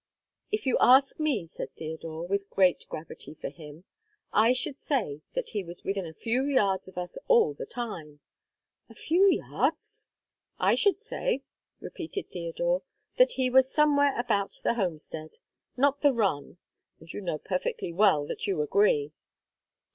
"If you ask me," said Theodore, with great gravity for him, "I should say that he was within a few yards of us all the time!" "A few yards?" "I should say," repeated Theodore, "that he was somewhere about the homestead, not the run. And you know perfectly well that you agree!"